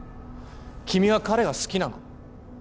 君は彼が好きなの？